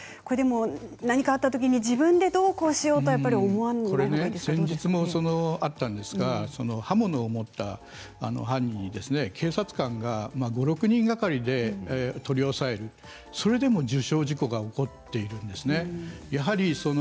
何かあったときに自分でどうこうしようと先日もあったんですが刃物を持った犯人を警察官が５、６人がかりで取り押さえるそれでも受傷事故が起こっているんですね。